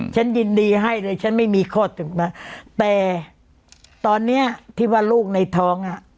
ฉันยินดีให้เลยฉันไม่มีข้อถึงนะแต่ตอนเนี้ยที่ว่าลูกในท้องอ่ะ